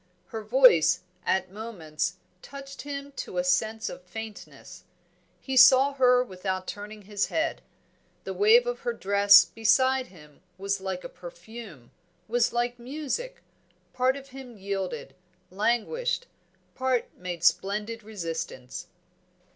Her voice, at moments, touched him to a sense of faintness; he saw her without turning his head; the wave of her dress beside him was like a perfume, was like music; part of him yielded, languished, part made splendid resistance.